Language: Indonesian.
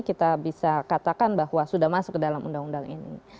kita bisa katakan bahwa sudah masuk ke dalam undang undang ini